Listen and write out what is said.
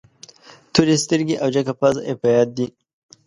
تورې سترګې او جګه پزه یې په یاد دي.